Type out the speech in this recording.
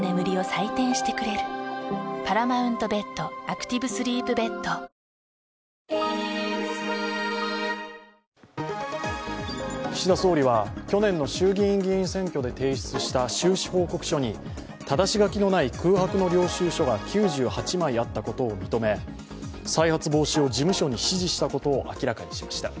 早くもグループリーグ敗退の可能性も岸田総理は、去年の衆議院議員選挙で提出した収支報告書にただし書きのない空白の領収書が９８枚あったことを認め再発防止を事務所に指示したことを明らかにしました。